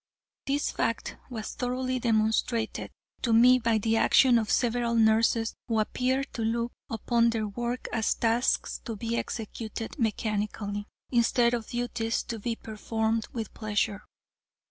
This fact was thoroughly demonstrated to me by the action of several nurses who appeared to look upon their work as tasks to be executed mechanically, instead of duties to be performed with pleasure.